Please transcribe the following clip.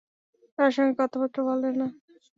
কারো সঙ্গে কথাবার্তা বলে না।